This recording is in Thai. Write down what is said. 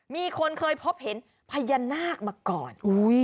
มีคนเคยพบเห็นพญานาคมาก่อน